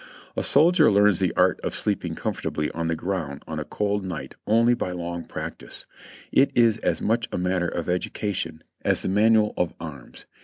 A soldier learns the art of sleeping comfortably on the ground on a cold night only by long practice ; it is as much a matter of education as the manual of arms.